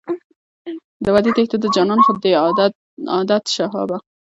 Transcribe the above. د وعدې تېښته د جانان خو دی عادت شهابه.